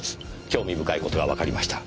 興味深い事がわかりました。